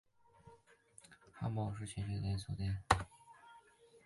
汉堡王是全球大型连锁速食企业。